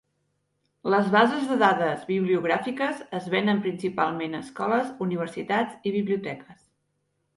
Les bases de dades bibliogràfiques es venen principalment a escoles, universitats i biblioteques.